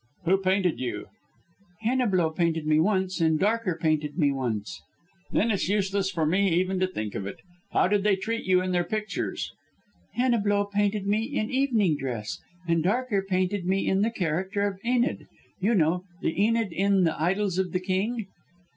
"Who painted you?" "Heniblow painted me once, and Darker painted me once." "Then it's useless for me even to think of it. How did they treat you in their pictures?" "Heniblow painted me in evening dress, and Darker painted me in the character of Enid you know, the Enid in the 'Idylls of the King.'"